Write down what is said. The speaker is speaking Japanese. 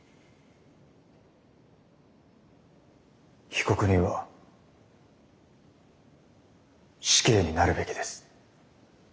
被告人は死刑になるべきです。